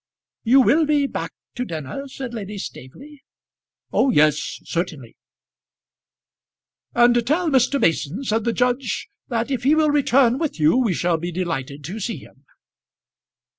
"You will be back to dinner?" said Lady Staveley. "Oh yes, certainly." "And tell Mr. Mason," said the judge, "that if he will return with you we shall be delighted to see him."